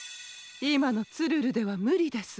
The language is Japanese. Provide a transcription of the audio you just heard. いまのツルルではむりです。